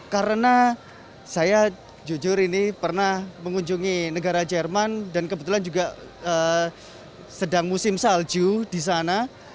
karena saya jujur ini pernah mengunjungi negara jerman dan kebetulan juga sedang musim salju di sana